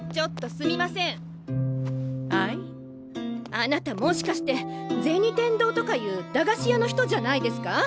あなたもしかして銭天堂とかいう駄菓子屋の人じゃないですか？